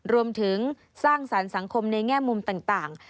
รวมถึงสร้างสรรค์สังคมในแง่มุมต่าง